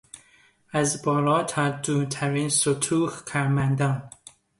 از بالا تا دون ترین سطوح کارمندان